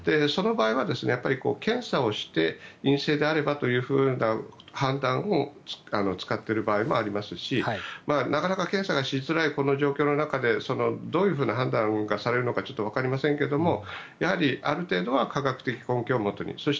その場合は検査をして陰性であればというふうな判断を使っている場合もありますしなかなか検査がしづらいこの状況の中でどういう判断がされるのかちょっとわかりませんがやはり、ある程度は科学的根拠をもとに。